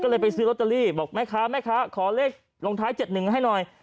ก็เลยไปซื้อลอตเตอรี่บอกแม่ค้าแม่ค้าขอเลขลงท้าย๗๑ให้หน่อย